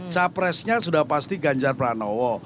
capresnya sudah pasti ganjar pranowo